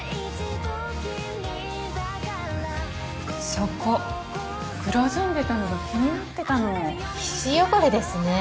そこ黒ずんでたのが気になってたの皮脂汚れですね